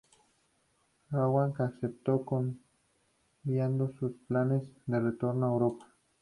Rowan aceptó, cambiando sus planes de retorno a Europa.